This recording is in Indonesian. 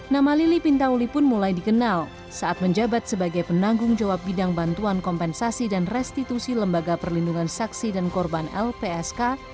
nama lili pintauli pun mulai dikenal saat menjabat sebagai penanggung jawab bidang bantuan kompensasi dan restitusi lembaga perlindungan saksi dan korban lpsk